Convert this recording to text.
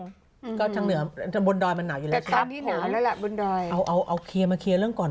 ก็ทางบนดอยมันหนาวอยู่แล้วใช่ไหมครับพอเอาเคลียร์มาเคลียร์เรื่องก่อน